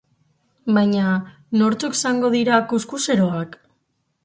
Baina, nortzuk zango dira kuxkuxeroak?